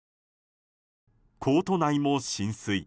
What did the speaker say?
コート内も浸水。